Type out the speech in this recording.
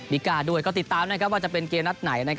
ก้าด้วยก็ติดตามว่าจะเป็นเกมนัดไหน